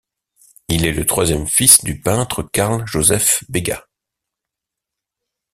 Il est le troisième fils du peintre Carl Joseph Begas.